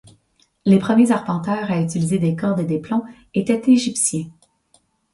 Les premiers arpenteurs à utiliser des cordes et des plombs étaient égyptiens.